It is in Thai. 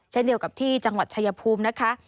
เช่นเดียวกับที่จังหวัดชายภูมินะคะ